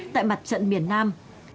tại mặt trận miền nam